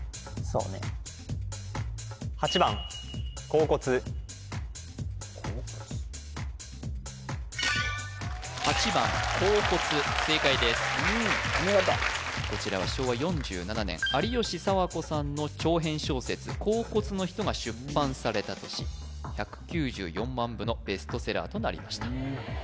うんお見事こちらは昭和４７年有吉佐和子さんの長編小説「恍惚の人」が出版された年１９４万部のベストセラーとなりました